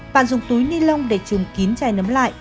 bạn dùng túi nilon để trùng kín chai nấm lại